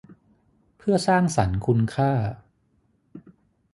เพื่อสร้างสรรค์คุณค่า